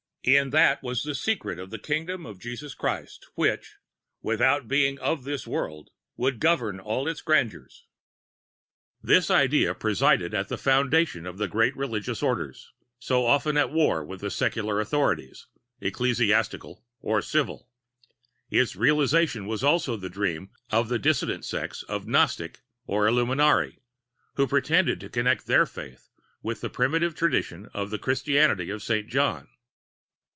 In that was the secret of that kingdom of Jesus Christ, which, without being of this world, would govern all its grandeurs. "This idea presided at the foundation of the great religious orders, so often at war with the secular authorities, ecclesiastical or civil. Its realization was also the dream of the dissident sects of Gnostics or Illuminati who pretended to connect their faith with the primitive tradition of the Christianity of Saint John.